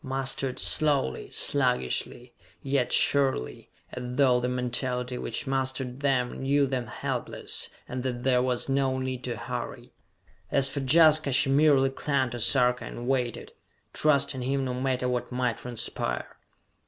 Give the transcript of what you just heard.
Mustered slowly, sluggishly, yet surely, as though the mentality which mustered them knew them helpless, and that there was no need to hurry! As for Jaska, she merely clung to Sarka and waited trusting him no matter what might transpire.